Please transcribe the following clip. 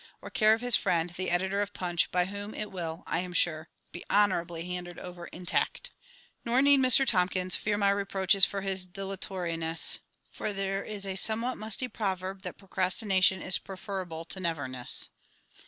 or care of his friend, the Editor of Punch, by whom it will (I am sure) be honourably handed over intact. Nor need Mr TOMKINS fear my reproaches for his dilatoriness, for there is a somewhat musty proverb that "Procrastination is preferable to Neverness."